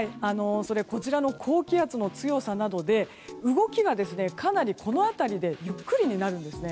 こちらの高気圧の強さなどで動きが、かなりこの辺りでゆっくりになるんですね。